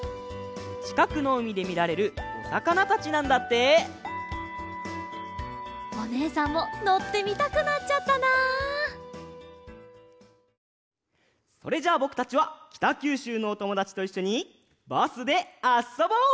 ちかくのうみでみられるおさかなたちなんだっておねえさんものってみたくなっちゃったなそれじゃぼくたちはきたきゅうしゅうのおともだちといっしょにバスであっそぼう！